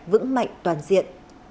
sức mạnh toàn diện